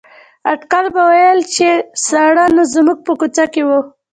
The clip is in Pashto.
اټکل به ویل چې ساړه نو زموږ په کوڅه کې وو.